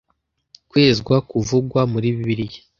Kwezwa Kuvugwa muri Bibiliya